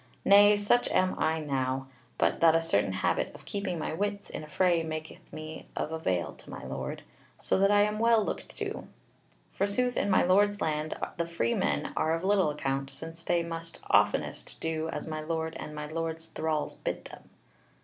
Nay, such am I now, but that a certain habit of keeping my wits in a fray maketh me of avail to my Lord, so that I am well looked to. Forsooth in my Lord's land the free men are of little account, since they must oftenest do as my Lord and my Lord's thralls bid them.